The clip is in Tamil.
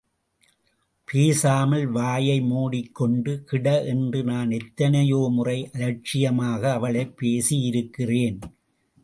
பேசாமல் வாயை மூடிக்கொண்டு கிட, என்று நான் எத்தனையோ முறை அலட்சியமாக அவளைப் பேசியிருக்கிறேன்.